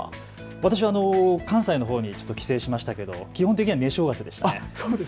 私は関西のほうに帰省しましたが基本的には寝正月でした。